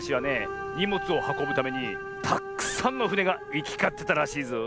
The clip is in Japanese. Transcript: にもつをはこぶためにたっくさんのふねがいきかってたらしいぞ。